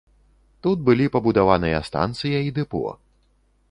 Тут былі пабудаваныя станцыя і дэпо.